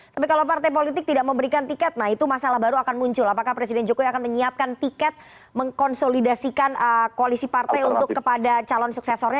tapi kalau partai politik tidak memberikan tiket nah itu masalah baru akan muncul apakah presiden jokowi akan menyiapkan tiket mengkonsolidasikan koalisi partai untuk kepada calon suksesornya